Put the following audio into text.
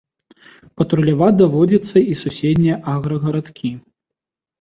Патруляваць даводзіцца і суседнія аграгарадкі.